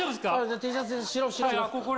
Ｔシャツ。